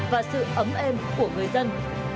và sự ấm êm của người dân